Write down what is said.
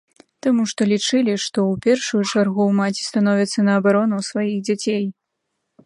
Таму што лічылі, што ў першую чаргу маці становіцца на абарону сваіх дзяцей.